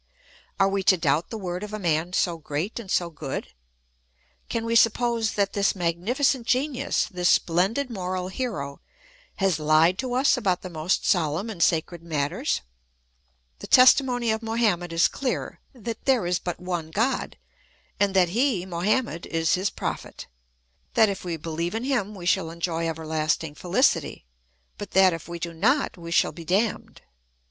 Are we to doubt the word of a man so great and so good ? Can we suppose that this magnificent genius, this splendid moral hero, has lied to us about the most solemn and sacred matters ? The testimony of Mohammed is clear, that there is but one God, and that he, Mohammed, is his THE ETHICS OF BELIEF. 191 prophet ; that if we behave m him we shall enjoy everlasting feUcity, but that if we do not we shall be damned.